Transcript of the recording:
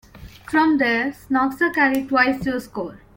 From there, Csonka carried twice to a score.